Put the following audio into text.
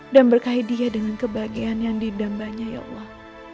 dan berkahi dia dengan kebahagiaan yang didambanya ya allah